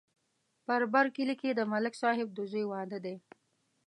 په بر کلي کې د ملک صاحب د زوی واده دی.